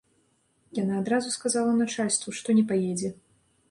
Яна адразу сказала начальству, што не паедзе.